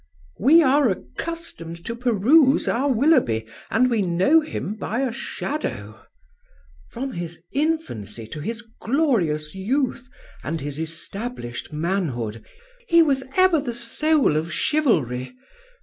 " We are accustomed to peruse our Willoughby, and we know him by a shadow." " From his infancy to his glorious youth and his established manhood." " He was ever the soul of chivalry."